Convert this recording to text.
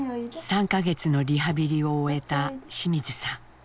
３か月のリハビリを終えた清水さん。